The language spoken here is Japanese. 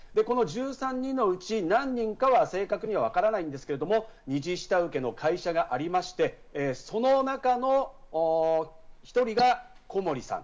１３人のうち何人かは正確にはわからないですけれども、二次下請けの会社がありまして、その中の１人が小森さん。